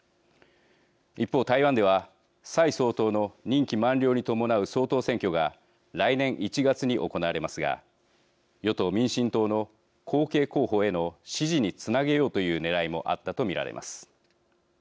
一方、台湾では蔡総統の任期満了に伴う総統選挙が来年１月に行われますが与党・民進党の後継候補への支持につなげようというねらいもあったと見られます。